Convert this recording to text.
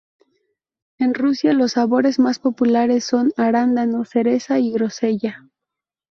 En Rusia, los sabores más populares son arándano, cereza y grosella.